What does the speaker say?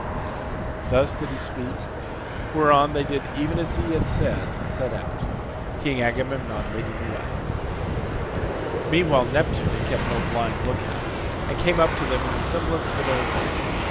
Thus did he speak; whereon they did even as he had said and set out, King Agamemnon leading the way. Meanwhile Neptune had kept no blind look out, and came up to them in the semblance of an old man.